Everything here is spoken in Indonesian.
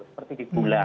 seperti di gula